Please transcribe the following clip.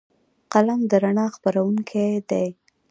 قلم د رڼا خپروونکی دی